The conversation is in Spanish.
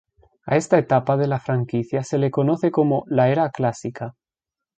A esta etapa de la franquicia se le conoce como la "Era Clásica".